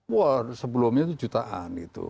wow sebelumnya itu jutaan gitu